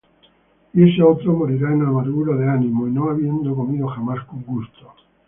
Y estotro morirá en amargura de ánimo, Y no habiendo comido jamás con gusto.